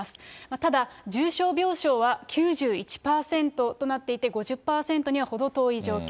ただ重症病床は９１％となっていて、５０％には程遠い状況。